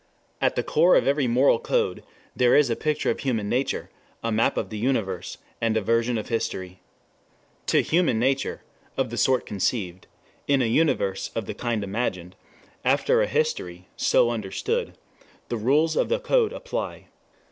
At the core of every moral code there is a picture of human nature, a map of the universe, and a version of history. To human nature (of the sort conceived), in a universe (of the kind imagined), after a history (so understood), the rules of the code apply.